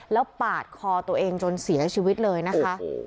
แล้วปาดคอตัวเองจนเสียชีวิตเลยนะคะ